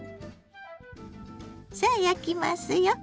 さあ焼きますよ。